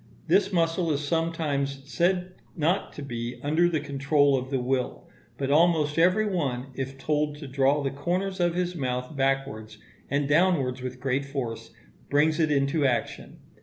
This muscle is sometimes said not to be under the control of the will; but almost every one, if told to draw the corners of his mouth backwards and downwards with great force, brings it into action.